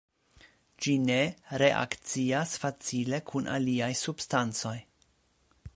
Ĝi ne reakcias facile kun aliaj substancoj.